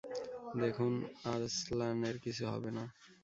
দেখুন, আর্সলানের কিছু হবে না।